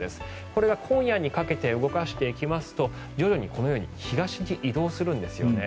これが今夜にかけて動かしていくと徐々にこのように東に移動するんですよね。